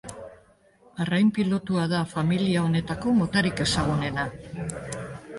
Arrain pilotua da familia honetako motarik ezagunena.